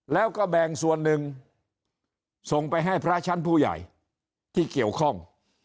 แล้วก็แบ่งส่วนหนึ่งส่งไปให้พระชั้นผู้ใหญ่ที่เกี่ยวข้อง